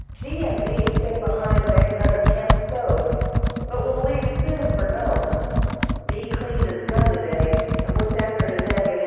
G. and B. stay behind to make another camp stove but will leave soon for Nome. B. cleaned his gun today, and looked after his ammunition. [Illustration: AT CHINIK.